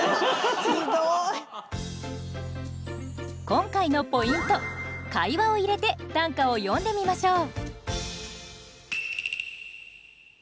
今回のポイント会話を入れて短歌を詠んでみましょう。